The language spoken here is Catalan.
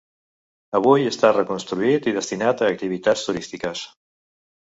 Avui està reconstruït i destinat a activitats turístiques.